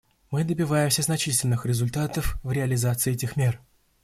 Мы добиваемся значительных результатов в реализации этих мер.